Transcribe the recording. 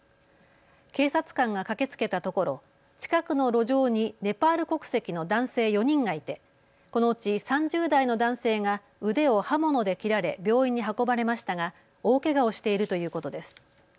警察官が駆けつけたところ近くの路上にネパール国籍の男性４人がいてこのうち３０代の男性が腕を刃物で切られ病院に運ばれましたが大けがをしているということです。